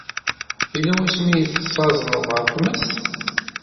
Yella wasmi ay teẓẓaẓneḍ ɣer tmes?